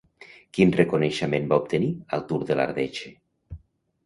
Quin reconeixement va obtenir al Tour de l'Ardèche?